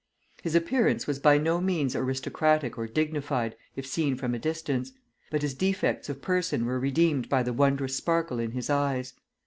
His appearance was by no means aristocratic or dignified if seen from a distance, but his defects of person were redeemed by the wondrous sparkle in his eyes.